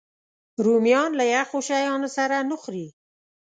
رومیان له یخو شیانو سره نه خوري